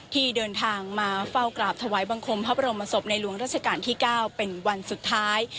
ที่เดินทางมาเฝ้ากราบถวายบังคมพระบรมศพในหลวงราชการที่๙เป็นวันสุดท้าย